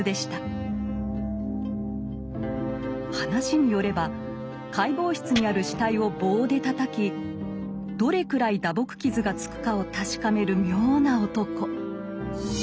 話によれば解剖室にある死体を棒でたたきどれくらい打撲傷がつくかを確かめる妙な男。